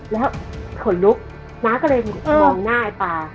แล้วขนลุกน้าก็เลยมองหน้าไอ้ปลา